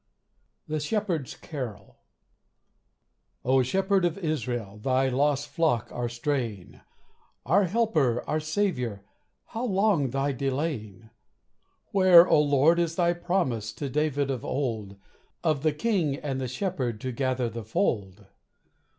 THE SHEPHERD'S CAROL "O Shepherd of Israel, Thy lost flock are straying; Our Helper, our Saviour, How long thy delaying! Where, Lord, is thy promise To David of old, Of the King and the Shepherd To gather the fold!